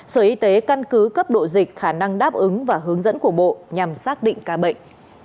sở y tế căn cứ cấp độ dịch khả năng đáp ứng và hướng dẫn của bộ nhằm xác định ca bệnh